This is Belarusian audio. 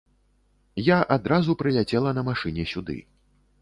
Я адразу прыляцела на машыне сюды.